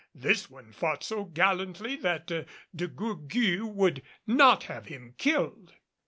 This one fought so gallantly that De Gourgues would not have him killed.